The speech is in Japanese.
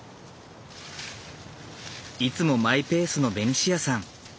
いつもマイペースのベニシアさん。